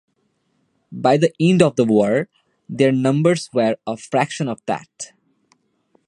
By the end of the war, their numbers were a fraction of that.